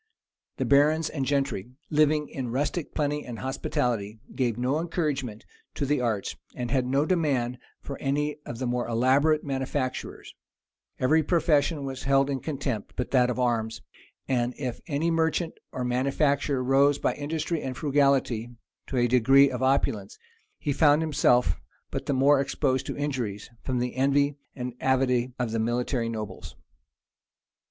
The barons and gentry, living in rustic plenty and hospitality, gave no encouragement to the arts, and had no demand for any of the more elaborate manufactures: every profession was held in contempt but that of arms; and if any merchant or manufacturer rose by industry and frugality to a degree of opulence, he found himself but the more exposed to injuries, from the envy and avidity of the military nobles.